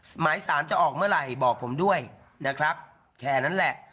หมายสารจะออกเมื่อไหร่บอกผมด้วยนะครับแค่นั้นแหละ